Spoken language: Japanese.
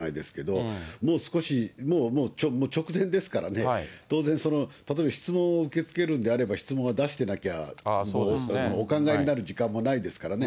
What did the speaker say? オフレコがかかってるのかも分からないですけど、もう少し、もう直前ですからね、当然、例えば質問を受け付けるんであれば、質問は出してなきゃ、もう、お考えになる時間もないですからね。